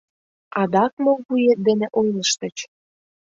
— Адак мо вует дене ойлыштыч?